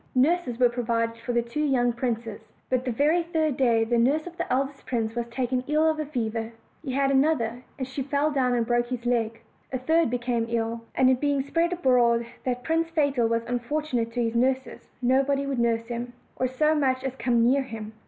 Nurses were provided for the two young princes; but the very third day the nurse of the eldest prince was taken ill of a fever; he had another, and she fell down and broke his leg; a third became ill, and it being spread abroad that Prince Fatal was unfortunate to his nurses, nobody would nurse him, or so much as come near him.